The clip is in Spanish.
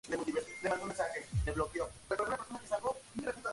La victoria le dio el maillot amarillo, así como el jersey blanco.